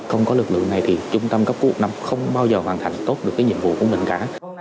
không có lực lượng này thì trung tâm cấp cứu một trăm một mươi năm không bao giờ hoàn thành tốt được cái nhiệm vụ của mình cả